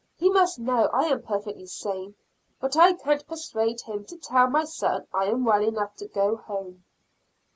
He must know I am perfectly sane, but I can't persuade him to tell my son I am well enough to go home.